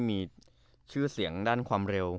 มีชื่อเสียงด้านความเร็ว